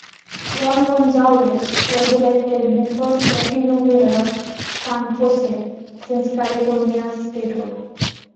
Ron Gonzales was elected the first Latino Mayor of San Jose since California's Statehood.